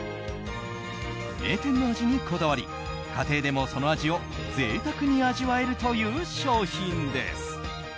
名店の味にこだわり家庭でも、その味を贅沢に味わえるという商品です。